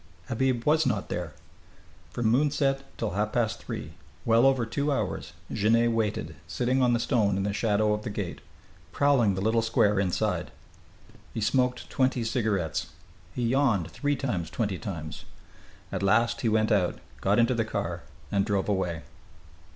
Habib was not there. From moonset till half past three, well over two hours, Genet waited, sitting on the stone in the shadow of the gate, prowling the little square inside. He smoked twenty cigarettes. He yawned three times twenty times. At last he went out got into the car and drove away.